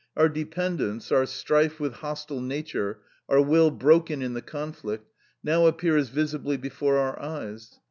Our dependence, our strife with hostile nature, our will broken in the conflict, now appears visibly before our eyes.